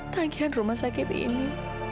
tagihan rumah sakit ini